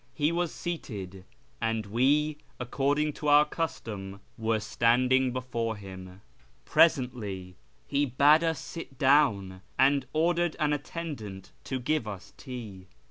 He was seated, and we, according to our custom, were standing before him. Presently he bade us sit down, and ordered an attendant to give us tea.